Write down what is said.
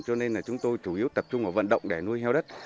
cho nên là chúng tôi chủ yếu tập trung vào vận động để nuôi heo đất